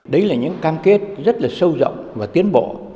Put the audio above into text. đấy là những cam kết rất là sâu rộng và tiến bộ